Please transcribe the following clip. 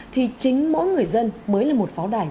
thì chính mỗi người dân mới là một pháo đài